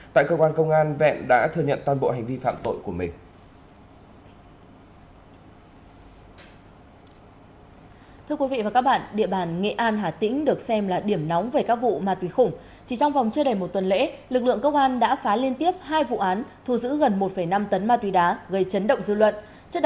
tại cơ quan công an vẹn đã thừa nhận toàn bộ hành vi phạm tội của mình